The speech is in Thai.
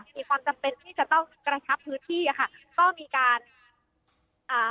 มีความจำเป็นที่จะต้องกระชับพื้นที่อ่ะค่ะก็มีการอ่า